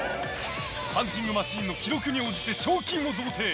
パンチングマシンの記録に応じて賞金を贈呈。